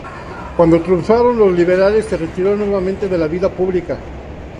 Cuando triunfaron los liberales se retiró nuevamente de la vida pública.